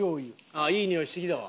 あっいいにおいしてきたわ。